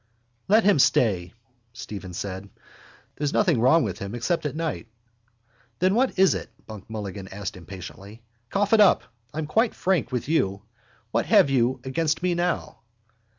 —Let him stay, Stephen said. There's nothing wrong with him except at night. —Then what is it? Buck Mulligan asked impatiently. Cough it up. I'm quite frank with you. What have you against me now?